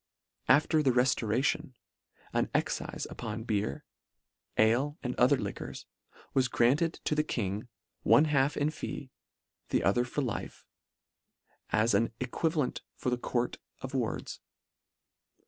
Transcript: After the reftoration, an excife upon beer, ale and other liquors, was granted to the g King, one half in fee, the other for life, as an e quivalent for the court of wards.